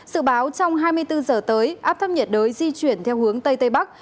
sự báo trong hai mươi bốn giờ tới áp thấp nhiệt đới di chuyển theo hướng tây tây bắc